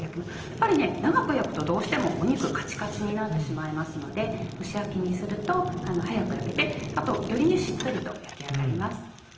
やっぱり長く焼くとどうしても肉カチカチになってしまいますので蒸し焼きにすると早く焼けてあとよりしっとりと焼き上がります。